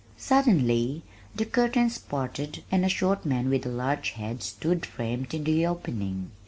Suddenly the curtains parted and a short man with a large head stood framed in the opening.